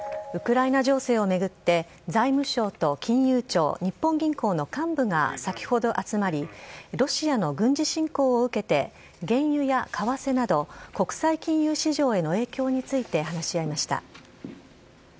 ウクライナ情勢を巡って、財務省と金融庁、日本銀行の幹部が先ほど集まり、ロシアの軍事侵攻を受けて、原油や為替など、国際金融市場への影響について話し合いました。